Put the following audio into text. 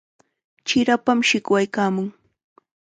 Chirapam shikwaykaamun.